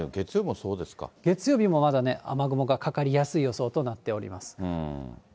月曜日もまだね、雨雲がかかりやすい予想となっております。